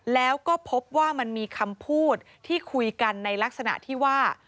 แล้วก็พบว่ามันมีคำพูดที่คุยกันในลักษณะที่ว่า